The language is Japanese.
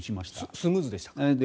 スムーズでしたか？